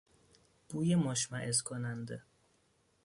بوی مشمئز کننده